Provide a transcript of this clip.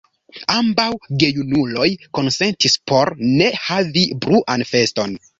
Ambaŭ gejunuloj konsentis por ne havi bruan feston.